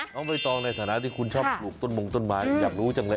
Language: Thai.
ไม่ต้องในฐานะที่คุณชอบปลูกต้นมงต้นไม้อยากรู้จังเลย